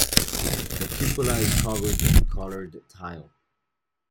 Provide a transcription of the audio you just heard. The cupola is covered in colored tile.